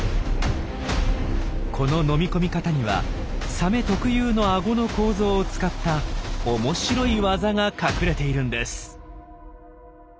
この飲み込み方にはサメ特有のアゴの構造を使った面白い技が隠れているんです。